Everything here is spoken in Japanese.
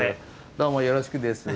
どうもよろしくです。